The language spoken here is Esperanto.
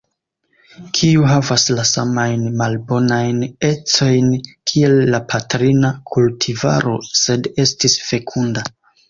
Kiu havas la samajn malbonajn ecojn kiel la patrina kultivaro, sed estis fekunda.